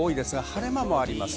晴れ間もあります。